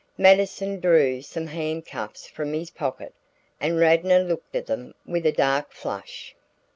Mattison drew some hand cuffs from his pocket, and Radnor looked at them with a dark flush.